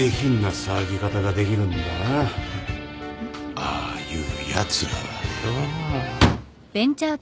ああいうやつらはよ。